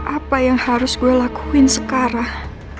apa yang harus gue lakuin sekarang